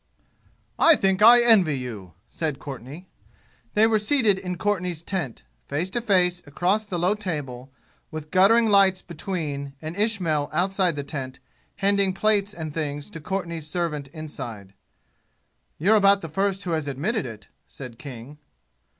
"I think I envy you!" said Courtenay. They were seated in Courtenay's tent, face to face across the low table, with guttering lights between and Ismail outside the tent handing plates and things to Courtenay's servant inside. "You're about the first who has admitted it," said King.